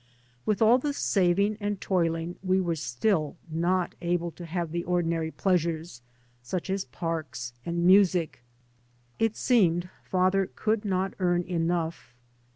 With all the saving and toiling we were still not able to have the ordinary pleasures, such as parks and music. It seemed father could not earn enough.